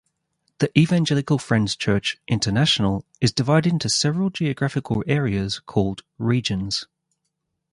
The Evangelical Friends Church, International is divided into several geographical areas called "Regions".